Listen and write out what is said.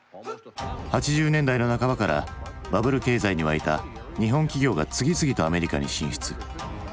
８０年代の半ばからバブル経済に沸いた日本企業が次々とアメリカに進出。